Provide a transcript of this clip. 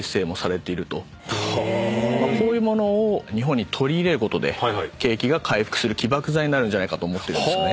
こういう物を日本に取り入れることで景気が回復する起爆剤になるんじゃないかと思ってるんですよね。